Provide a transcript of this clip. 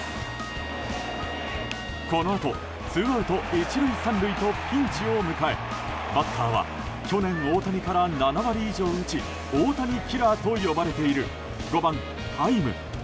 このあとツーアウト１塁３塁とピンチを迎えバッターは去年、大谷から７割以上打ち大谷キラーと呼ばれている５番、ハイム。